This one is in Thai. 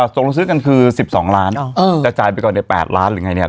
ตกลงซื้อกันคือ๑๒ล้านจะจ่ายไปก่อนใน๘ล้านหรือไงเนี่ย